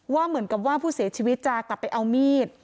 เหมือนกับว่าผู้เสียชีวิตจะกลับไปเอามีด